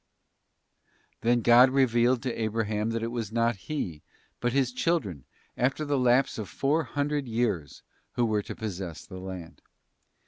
ft Then God revealed to Abraham that it was not he, but his children, after the lapse of four hundred years, who were to possess the land.